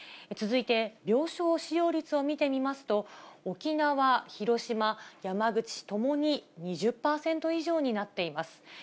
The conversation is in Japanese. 続いて、病床使用率を見てみますと、沖縄、広島、山口ともに２０％以上になっています。